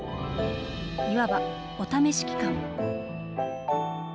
いわばお試し期間。